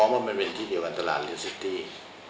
กลับไปบ้านก็หาไม่เจอแล้วเพราะกระโยชน์ต้องกฏตรบริเวณนี้